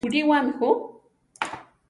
¿Kulíwami ju?